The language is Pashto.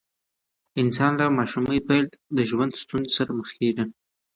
انسان له ماشومۍ پیل د ژوند ستونزو سره مخ کیږي.